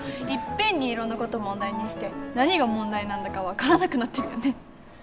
いっぺんにいろんな事を問題にして何が問題なんだか分からなくなってるよね。